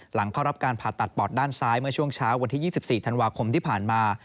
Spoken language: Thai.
เข้ารับการผ่าตัดปอดด้านซ้ายเมื่อช่วงเช้าวันที่๒๔ธันวาคมที่ผ่านมา